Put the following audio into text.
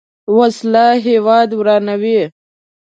وسله هیواد ورانوي